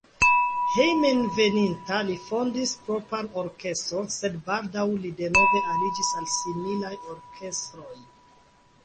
Hejmenveninta li fondis propran orkestron, sed baldaŭ li denove aliĝis al similaj orkestroj.